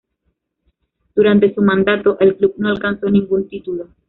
Durante su mandato, el club no alcanzó ningún título.